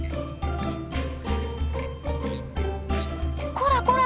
こらこら！